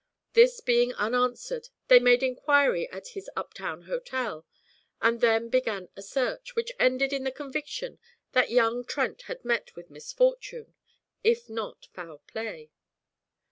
This being unanswered, they made inquiry at his up town hotel, and then began a search, which ended in the conviction that young Trent had met with misfortune, if not foul play.